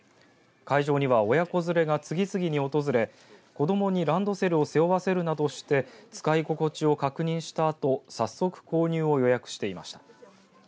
会場には親子連れが次々に訪れ子どもにランドセルを背負わせるなどして使い心地を確認したあと早速、購入を予約していました。